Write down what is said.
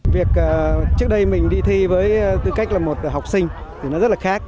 việc trước đây mình đi thi với tư cách là một học sinh thì nó rất là khác